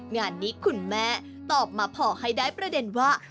งานนี้คุณแม่ตอบมาพอให้ได้ประเด็นว่า